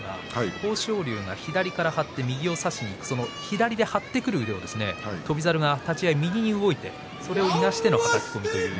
豊昇龍が左から張って右を差しにいって左で張ってくる時に翔猿が立ち合い、右に動いていなしてのはたき込みになりました。